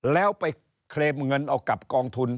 แล้วไปเคลมเงินเอากับกองทุน